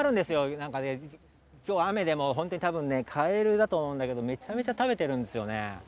なんかきょう雨で、本当にたぶんね、カエルだと思うんだけど、めちゃめちゃ食べてるんですよね。